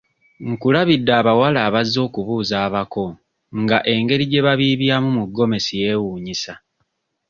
Nkulabidde abawala abazze okubuuza abako nga engeri gye babiibyamu mu ggomesi yeewuunyisa.